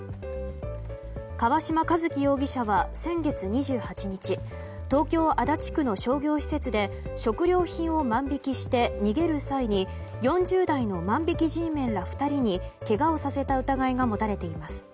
川嶋一輝容疑者は先月２８日東京・足立区の商業施設で食料品を万引きして逃げる際に４０代の万引きＧメンら２人にけがをさせた疑いが持たれています。